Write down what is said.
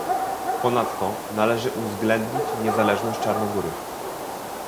Ponadto, należy uwzględnić niezależność Czarnogóry